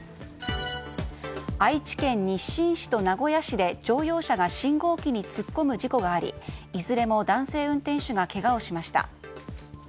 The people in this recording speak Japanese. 愛知県日進市と名古屋市で乗用車が信号機に突っ込む事故がありいずれも男性運転手がけがをしました。